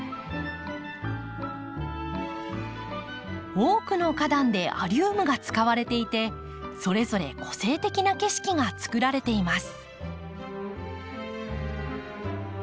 多くの花壇でアリウムが使われていてそれぞれ個性的な景色がつくられています。